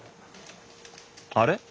あれ？